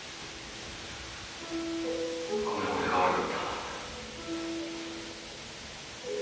ごめん俺が悪かった。